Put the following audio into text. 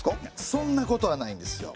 そんなことはないんですよ。